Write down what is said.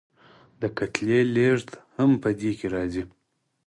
د کتلې لیږد هم په دې کې راځي.